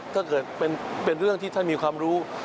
ถ้าเกิดเป็นเรื่องที่ท่านมีความรู้